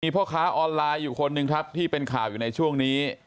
พ่อค้าออนไลน์อยู่คนหนึ่งครับที่เป็นข่าวอยู่ในช่วงนี้